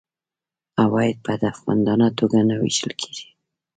عواید په هدفمندانه توګه نه وېشل کیږي.